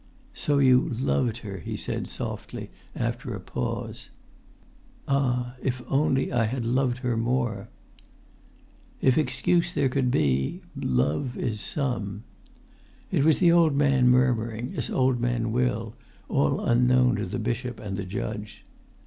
"So you loved her," he said softly, after a pause. "Ah! if only I had loved her more!" "If excuse there could be ... love ... is some." It was the old man murmuring, as old men will, all unknown to the bishop and the judge.